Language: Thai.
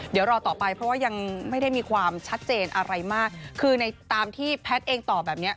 เดี๋ยวรอต่อไปเพราะว่ายังไม่ได้มีความชัดเจนอะไรมากคือในตามที่แพทย์เองตอบแบบเนี้ย